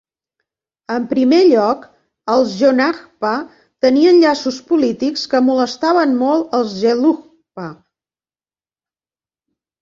En primer lloc, els jonangpa tenien llaços polítics que molestaven molt els gelugpa.